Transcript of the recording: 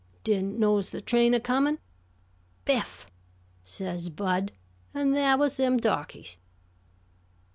Didn't notice the train a comin'. 'Biff!' says Bud; an' thah was them darkies."